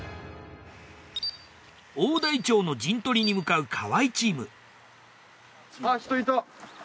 大台町の陣取りに向かう河合チーム。